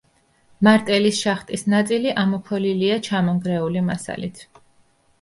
მარტელის შახტის ნაწილი ამოქოლილია ჩამონგრეული მასალით.